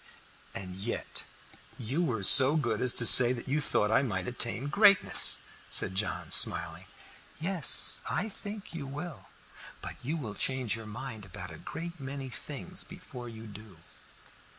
"And yet you were so good as to say that you thought I might attain greatness," said John, smiling. "Yes, I think you will. But you will change your mind about a great many things before you do."